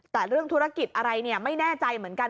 แต่เรื่องธุรกิจอะไรเนี่ยไม่แน่ใจเหมือนกัน